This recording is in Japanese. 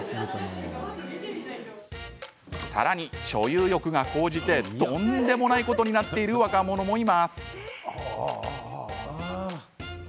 さらに、所有欲が高じてとんでもないことになっている若者もいます。